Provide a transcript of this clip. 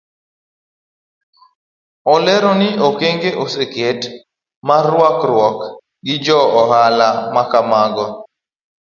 Olero ni okenge oseket mar rakruok gi jo ohala makamago.